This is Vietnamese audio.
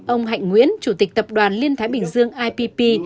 ông hạnh nguyễn chủ tịch tập đoàn liên thái bình dương ipp